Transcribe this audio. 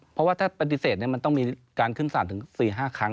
เพราะว่าถ้าปฏิเสธมันต้องมีการขึ้นสารถึง๔๕ครั้ง